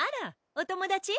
お友達？